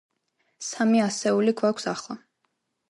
სამი ასეული გვაქვს ახლა.